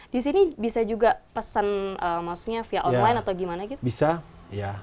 di sini bisa juga pesan via online atau bagaimana